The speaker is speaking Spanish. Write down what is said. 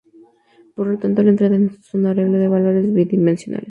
Por lo tanto, la entrada es un arreglo de valores bidimensionales.